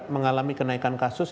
mengalami kenaikan kasus